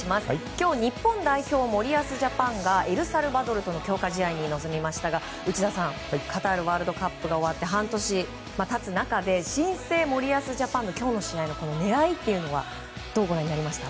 今日、日本代表森保ジャパンがエルサルバドルとの強化試合に臨みましたが内田さんカタールワールドカップが終わって半年経つ中で新生・森保ジャパンの今日の試合の狙いはどうご覧になりました？